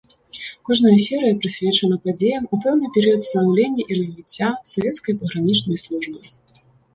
Кожная серыя прысвечана падзеям у пэўны перыяд станаўлення і развіцця савецкай пагранічнай службы.